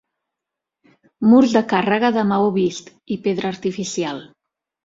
Murs de càrrega de maó vist i pedra artificial.